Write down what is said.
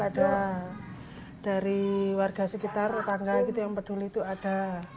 ada dari warga sekitar tetangga gitu yang peduli itu ada